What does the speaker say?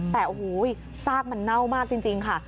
แต่ซากมันเน่ามากจริงค่ะ